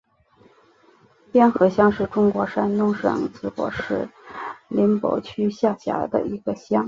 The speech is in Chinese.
边河乡是中国山东省淄博市临淄区下辖的一个乡。